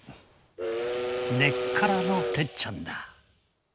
根っからの鉄ちゃんだ。